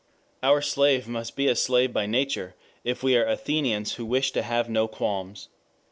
Our slave must be a slave by nature, if we are Athenians who wish to have no qualms.